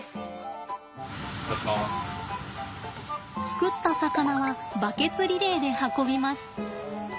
すくった魚はバケツリレーで運びます。